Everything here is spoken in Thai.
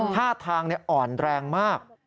ท่าทางอ่อนแรงมาก